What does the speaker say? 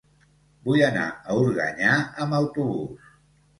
Vull anar a Organyà amb autobús.